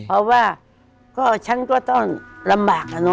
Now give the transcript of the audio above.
เพราะว่าก็ฉันก็ต้องลำบากอะเนาะ